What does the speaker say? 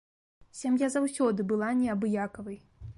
Сям'я заўсёды была неабыякавай.